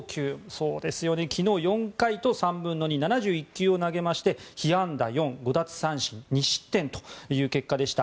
そうですよね、昨日は４回と３分の２、７１球を投げまして被安打４、５奪三振２失点という結果でした。